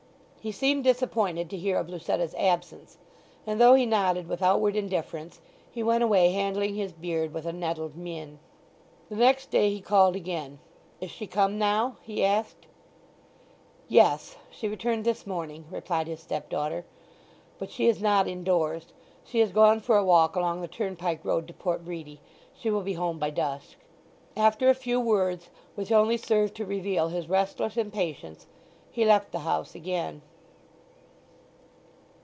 He seemed disappointed to hear of Lucetta's absence and though he nodded with outward indifference he went away handling his beard with a nettled mien. The next day he called again. "Is she come now?" he asked. "Yes. She returned this morning," replied his stepdaughter. "But she is not indoors. She has gone for a walk along the turnpike road to Port Bredy. She will be home by dusk." After a few words, which only served to reveal his restless impatience, he left the house again.